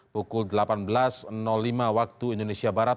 pukul delapan belas lima waktu indonesia barat